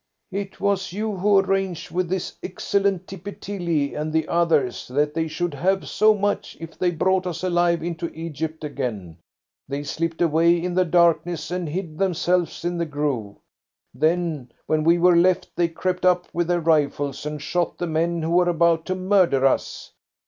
"It was you who arranged with this excellent Tippy Tilly and the others that they should have so much if they brought us alive into Egypt again. They slipped away in the darkness and hid themselves in the grove. Then, when we were left, they crept up with their rifles and shot the men who were about to murder us.